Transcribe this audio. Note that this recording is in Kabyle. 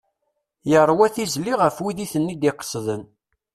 Yerwa tizli ɣef wid iten-id-iqesden.